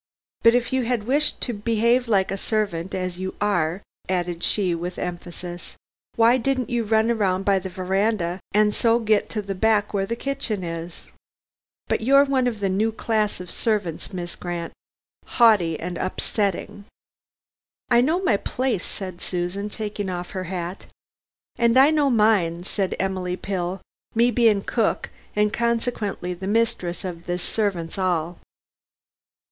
But if you had wished to behave like a servant, as you are," added she with emphasis, "why didn't you run round by the veranda and so get to the back where the kitchen is. But you're one of the new class of servants, Miss Grant, 'aughty and upsetting." "I know my place," said Susan, taking off her hat. "And I know mine," said Emily Pill, "me being cook and consequently the mistress of this servants' 'all.